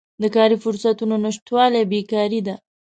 د کاري فرصتونو نشتوالی بیکاري ده.